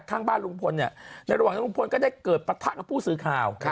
ข้างบ้านลุงพลเนี่ยในระหว่างนั้นลุงพลก็ได้เกิดปะทะกับผู้สื่อข่าว